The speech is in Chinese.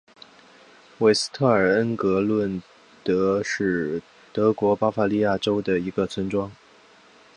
韦斯特尔恩格伦德是德国巴伐利亚州的一个村庄。